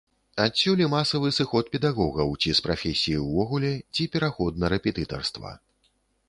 Адсюль і масавы сыход педагогаў ці з прафесіі ўвогуле, ці пераход на рэпетытарства.